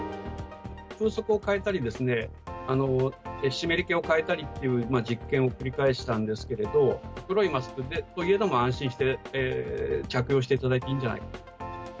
風速を変えたり、湿り気を変えたりっていう実験を繰り返したんですけれど、黒いマスクといえども安心して着用していただいていいんじゃないか。